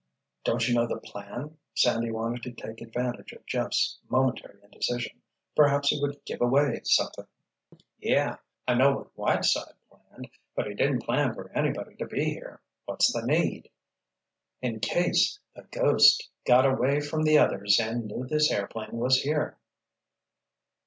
"Don't you know the plan?" Sandy wanted to take advantage of Jeff's momentary indecision: perhaps he would "give away" something. "Yeah! I know what Whiteside planned. But he didn't plan for anybody to be here. What's the need?" "In case the—ghost—got away from the others and knew this airplane was here."